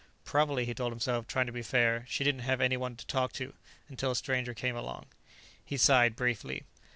Probably, he told himself, trying to be fair, she didn't have anyone to talk to, until a stranger came along. He sighed briefly.